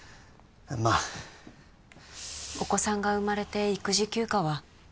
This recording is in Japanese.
まあお子さんが生まれて育児休暇は？